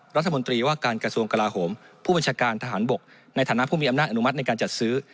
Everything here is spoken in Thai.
รัฐมนตรีว่าการกระทรวงกลาโหมผู้บัญชาการทหารบกในฐานะผู้มีอำนาจอนุมัติในการจัดซื้อ